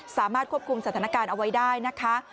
สามารถควบคุมสถานการณ์เอาไว้ได้นะคะ